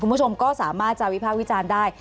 คุณผู้ชมก็สามารถจะวิภาควิจารณ์ได้